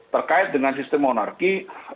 terkait dengan sistem monarki